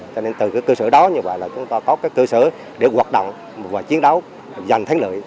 cho nên từ cái cơ sở đó như vậy là chúng ta có cái cơ sở để hoạt động và chiến đấu dành thánh lợi